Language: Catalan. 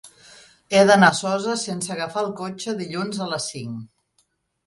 He d'anar a Soses sense agafar el cotxe dilluns a les cinc.